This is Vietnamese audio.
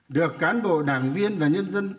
được cán bộ đảng viên và nhân dân tiêu chuẩn